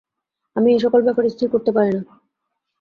আমি এ সকল ব্যাপার স্থির করতে পারি না।